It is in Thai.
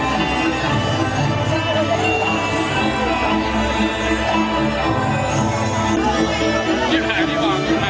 สวัสดีครับ